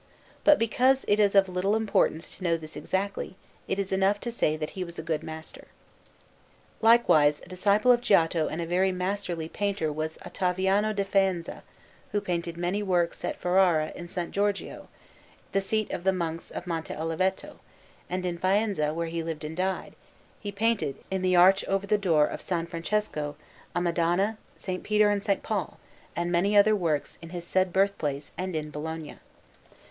But because it is of little importance to know this exactly, it is enough to say that he was a good master. Likewise a disciple of Giotto and a very masterly painter was Ottaviano da Faenza, who painted many works at Ferrara in S. Giorgio, the seat of the Monks of Monte Oliveto; and in Faenza, where he lived and died, he painted, in the arch over the door of S. Francesco, a Madonna, S. Peter and S. Paul, and many other works in his said birthplace and in Bologna.